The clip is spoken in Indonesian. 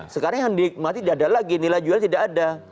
sekarang yang dinikmati tidak ada lagi nilai jual tidak ada